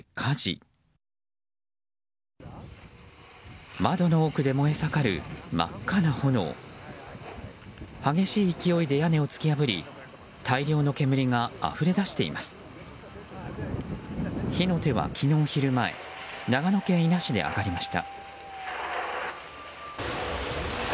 火の手は昨日昼前長野県伊那市で上がりました。